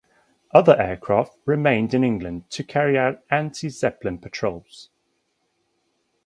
Other aircraft remained in England to carry out anti-Zeppelin patrols.